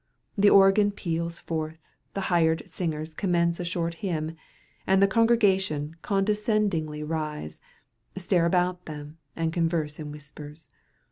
The organ peals forth, the hired singers commence a short hymn, and the congregation condescendingly rise, stare about them, and converse in whispers.